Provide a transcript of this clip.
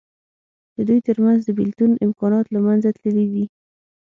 د دوی تر منځ د بېلتون امکانات له منځه تللي دي.